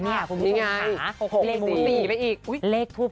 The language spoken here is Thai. ลิ้งไง๖๔๔ไหมอีก